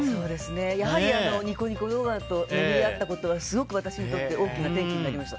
やはりニコニコ動画と巡り合ったことはすごく私にとって大きな転機となりました。